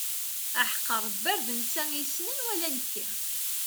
Aḥeqq Rebbi ar d nettat i yessnen wala nekki.